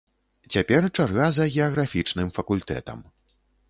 Цяпер чарга за геаграфічным факультэтам.